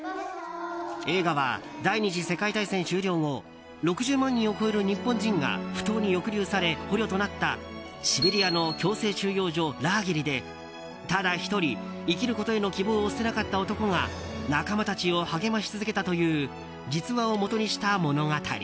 映画は、第２次世界大戦終了後６０万人を超える日本人が不当に抑留され捕虜となったシベリアの強制収容所ラーゲリでただ１人、生きることへの希望を捨てなかった男が仲間たちを励まし続けたという実話をもとにした物語。